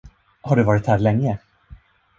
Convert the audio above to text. Har du varit här länge?